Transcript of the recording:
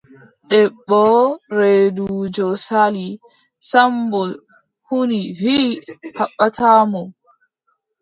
Debbo reeduujo Sali, Sammbo huni wiʼi haɓɓataa mo.